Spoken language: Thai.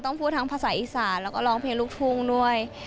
พูดทั้งภาษาอีสานแล้วก็ร้องเพลงลูกทุ่งด้วย